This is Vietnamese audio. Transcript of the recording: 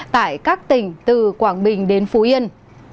tại các tỉnh từ quảng bình đến phú yên